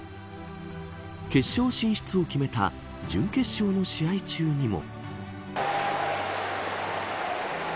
決勝進出を決めた準決勝の試合中にも。